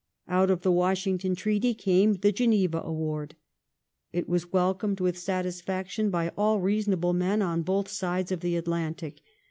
Out of the Washington treaty came the Geneva award. It was welcomed with satisfaction by all reasonable men on both sides of the Atlantic.